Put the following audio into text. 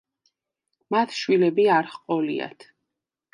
მათ შვილები არ ჰყოლიათ.